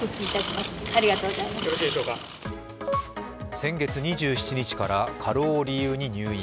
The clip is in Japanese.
先月２７日から過労を理由に入院。